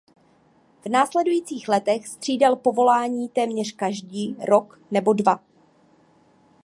V následujících letech střídal povolání téměř každý rok nebo dva.